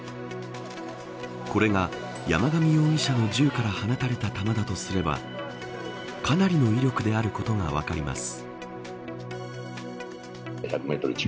これが山上容疑者の銃から放たれた弾だとすればかなりの威力であることが分かります。